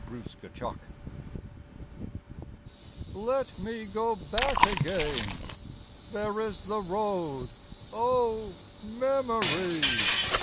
ATTAINMENT Let me go back again. There is the road, O memory!